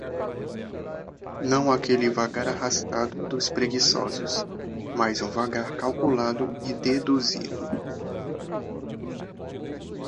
não aquele vagar arrastado dos preguiçosos, mas um vagar calculado e deduzido